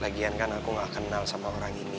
lagian kan aku gak kenal sama orang ini